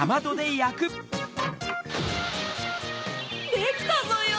できたぞよ！